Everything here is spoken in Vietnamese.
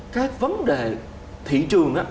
cái vấn đề thị trường đó